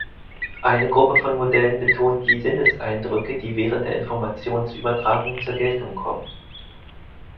Eine Gruppe von Modellen betont die Sinneseindrücke, die während der Informationsübertragung zur Geltung kommen.